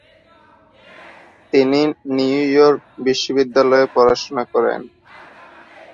তিনি New York বিশ্ববিদ্যালয়ে পড়াশোনা করেন।